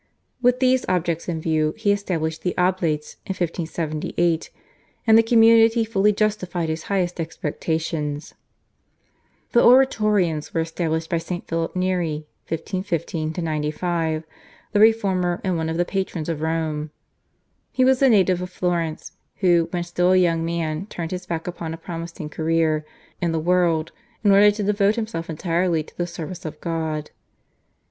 With these objects in view he established the Oblates in 1578, and the community fully justified his highest expectations. The Oratorians were established by St. Philip Neri (1515 95) the reformer and one of the patrons of Rome. He was a native of Florence, who when still a young man turned his back upon a promising career in the world in order to devote himself entirely to the service of God.